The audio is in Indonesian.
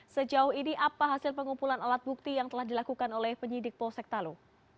sejauh ini apa hasil pengumpulan alat bukti yang telah dilakukan oleh penyidik polsek talu